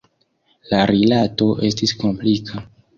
La rilato estis komplika.